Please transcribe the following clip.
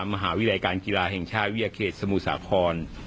มหาวิรายการกีฬาแห่งชาวิยาเครตสมุสาคอล